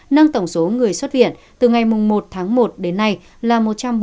nâng tổng số người xuất viện từ ngày một một đến nay là một trăm bốn mươi bốn hai mươi bốn